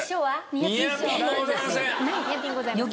ニアピンございません。